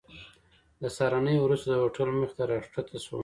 د سهارنۍ وروسته د هوټل مخې ته راښکته شوم.